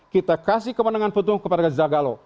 kita kasih kemenangan putung kepada zagallo